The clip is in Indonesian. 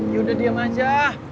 yaudah diam aja